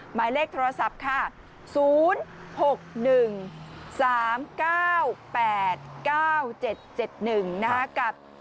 หมายเลขโทรศัพท์ค่ะ๐๖๑๓๙๘๙๗๗๑นะคะกับ